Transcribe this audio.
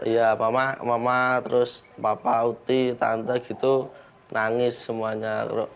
ya mama terus papa oti tante gitu nangis semuanya